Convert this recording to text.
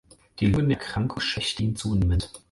Die Lungenerkrankung schwächte ihn zunehmend.